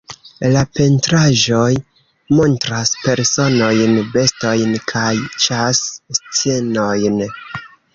La pentraĵoj montras personojn, bestojn kaj ĉas-scenojn.